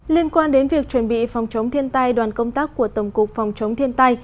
liên quan đến việc chuẩn bị phòng chống thiên tai đoàn công tác của tổng cục phòng chống thiên tai